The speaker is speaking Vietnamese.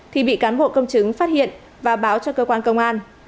thì bị cán bộ công chứng phát hiện và báo cho cơ quan công an